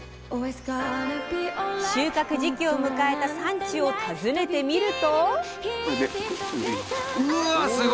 収穫時期を迎えた産地を訪ねてみると。